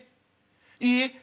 いいえ。